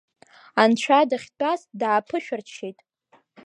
Анцәа дахьтәаз дааԥышәырччеит…